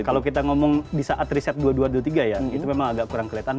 kalau kita ngomong di saat riset dua puluh dua dua puluh tiga ya itu memang agak kurang kelihatan